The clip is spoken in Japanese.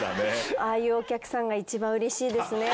ああいうお客さんが一番うれしいですね